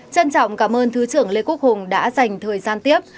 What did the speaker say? trân trọng cảm ơn thứ trưởng lê quốc hùng đã dành thời gian tiếp